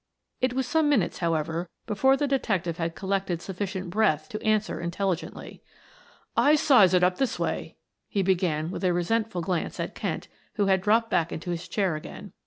It was some minutes, however, before the detective had collected sufficient breath to answer intelligently. "I size it up this way," he began with a resentful glance at Kent who had dropped back in his chair again.